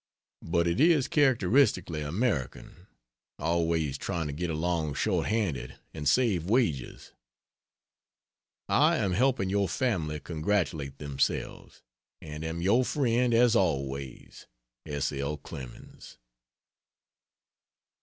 But it is characteristically American always trying to get along short handed and save wages. I am helping your family congratulate themselves, and am your friend as always. S. L. CLEMENS.